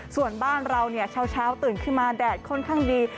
ส่วนบ้านเราเช้าตื่นขึ้นมาแดดค่อนข้างดี